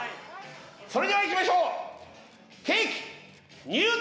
それではいきましょう！